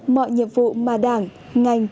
mọi nhiệm vụ mà đảng ngành